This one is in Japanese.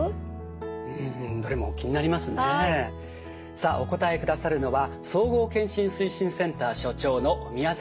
さあお答えくださるのは総合健診推進センター所長の宮崎滋さんです。